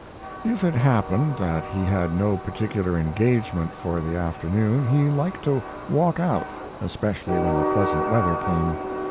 If it happened that he had no particular engagement for the afternoon, he liked to walk out, especially when the pleasant weather came.